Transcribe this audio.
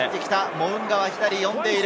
モウンガは左に呼んでいる。